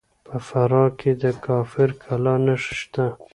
په فراه کې د کافر کلا نښې شته